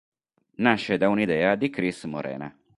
Nasce da un'idea di Cris Morena.